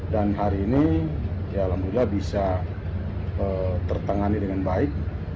dan hari ini ya alhamdulillah bisa tertangani dengan baik